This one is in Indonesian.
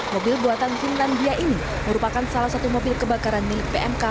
mobil buatan finlandia ini merupakan salah satu mobil kebakaran milik pmk